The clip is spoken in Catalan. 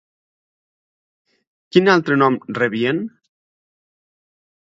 Quin altre nom rebien?